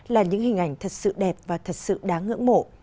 là những hình ảnh thật sự đẹp và thật sự đáng ngưỡng mộ